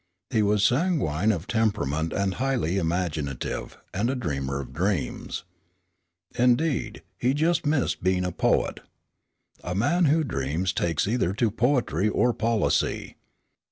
He was sanguine of temperament, highly imaginative and a dreamer of dreams. Indeed, he just missed being a poet. A man who dreams takes either to poetry or policy.